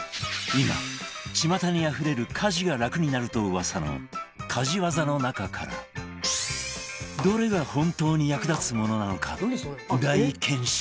今巷にあふれる家事が楽になると噂の家事ワザの中からどれが本当に役立つものなのか大検証